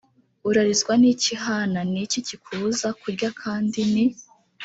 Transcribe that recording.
urarizwa n iki hana ni iki kikubuza kurya kandi ni